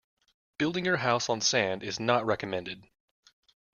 Building your house on sand is not recommended.